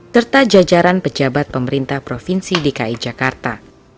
serta jajaran pejabat pemerintah provinsi dki jakarta